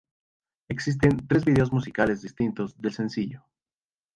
Existen tres videos musicales distintos del sencillo.